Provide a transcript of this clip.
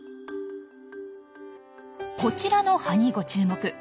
こちらの葉にご注目。